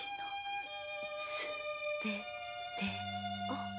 すべてを？